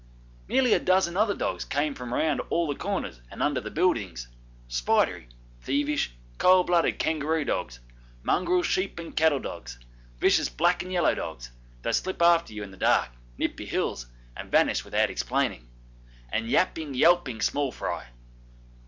Nearly a dozen other dogs came from round all the corners and under the buildings spidery, thievish, cold blooded kangaroo dogs, mongrel sheep and cattle dogs, vicious black and yellow dogs that slip after you in the dark, nip your heels, and vanish without explaining and yapping, yelping small fry.